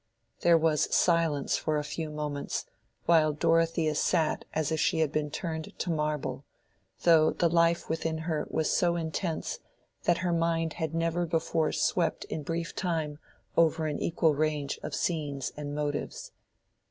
There was silence for a few moments, while Dorothea sat as if she had been turned to marble, though the life within her was so intense that her mind had never before swept in brief time over an equal range of scenes and motives.